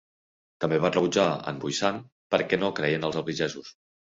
També va rebutjar en Vuissane perquè no creia en els albigesos.